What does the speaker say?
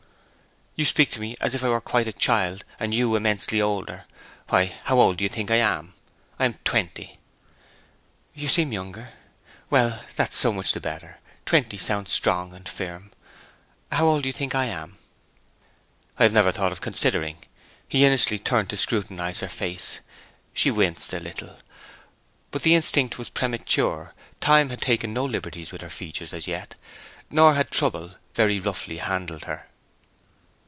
'You speak as if I were quite a child, and you immensely older. Why, how old do you think I am? I am twenty.' 'You seem younger. Well, that's so much the better. Twenty sounds strong and firm. How old do you think I am?' 'I have never thought of considering.' He innocently turned to scrutinize her face. She winced a little. But the instinct was premature. Time had taken no liberties with her features as yet; nor had trouble very roughly handled her.